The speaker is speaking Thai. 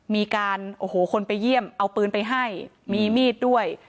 มีการโอ้โหคนไปเยี่ยมเอาปืนไปให้มีมีดด้วย